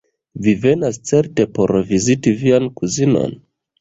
Vi venas certe por viziti vian kuzinon?